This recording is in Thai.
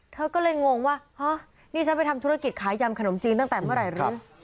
เธอก็เลยงงว่าฮะนี่ฉันไปทำธุรกิจขายยำขนมจีนตั้งแต่เมื่อไหร่หรือ